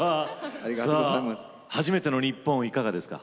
初めての日本いかがですか？